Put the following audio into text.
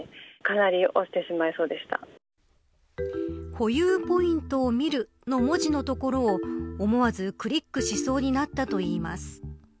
保有ポイントを見るの文字の所を思わずクリックしそうになったといいます。